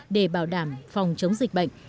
để bảo đảm phòng chống dịch bệnh